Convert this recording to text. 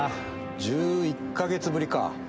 １１か月ぶりか。